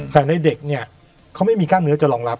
แต่ในเด็กเนี่ยเขาไม่มีกล้ามเนื้อจะรองรับ